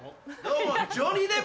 どうも。